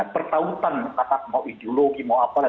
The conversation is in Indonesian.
pertautan mau ideologi mau apalah